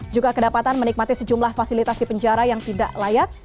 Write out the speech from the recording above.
juga kedapatan menikmati sejumlah fasilitas di penjara yang tidak layak